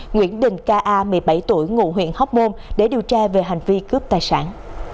nguyễn đình k a một mươi bảy tuổi ngụ huyện hóc môn để điều tra về hành vi cướp tài sản